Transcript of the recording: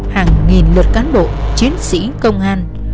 hàng nghìn lượt cán bộ chiến sĩ công an